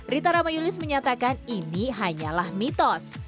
rita ramayulis menyatakan ini hanyalah mitos